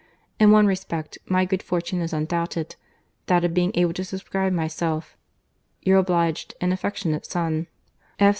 —In one respect, my good fortune is undoubted, that of being able to subscribe myself, Your obliged and affectionate Son, F.